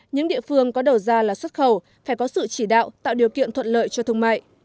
những địa phương có đầu ra là xuất khẩu phải có sự chỉ đạo tạo điều kiện thuận lợi cho thương mại